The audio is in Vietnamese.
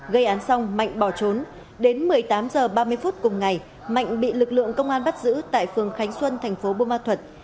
gây án xong mạnh bỏ trốn đến một mươi tám h ba mươi phút cùng ngày mạnh bị lực lượng công an bắt giữ tại phường khánh xuân thành phố bô ma thuật